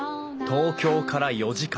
東京から４時間。